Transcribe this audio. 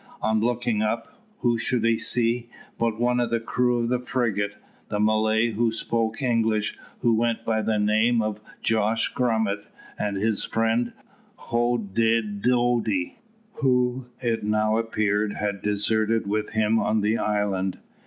On looking up, who should he see, but one of the crew of the frigate, the Malay who spoke English, who went by the name of Jos Grummet, and his friend Hoddidoddi, who, it now appeared, had deserted with him on the island.